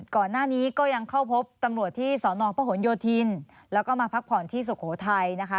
ก่อนหน้านี้ก็ยังเข้าพบตำรวจที่สอนอพหนโยธินแล้วก็มาพักผ่อนที่สุโขทัยนะคะ